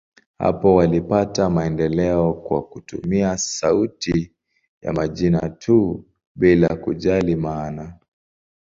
Hapo walipata maendeleo kwa kutumia sauti ya majina tu, bila kujali maana.